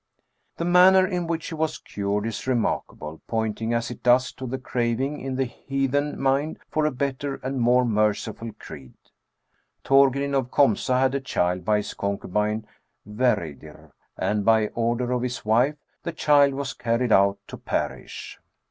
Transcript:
The manner in which he was cured is remarkable ; pointing as it does to the craving in the heathen mind for a better and more merciful creed :—" Thorgrim of Komsa had a child by his concubine Vereydr, and, by order of his wife, the child was carried out to perish.